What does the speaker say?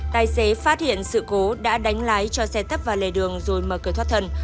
tài xế phát hiện sự cố đã đánh lái cho xe tấp vào lề đường rồi mở cửa thoát thần